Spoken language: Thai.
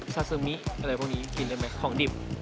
ซาซูมิอะไรพวกนี้กินได้ไหมของดิบ